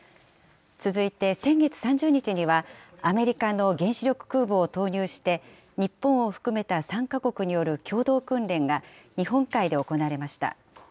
続いて、先月３０日には、アメリカの原子力空母を投入して、日本を含めた３か国による共同訓練が、日本海で行われました。